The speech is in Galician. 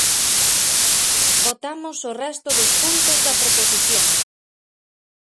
Votamos o resto dos puntos da proposición.